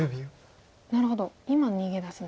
なるほど今逃げ出すんですね。